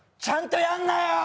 ちゃんとやんなよ！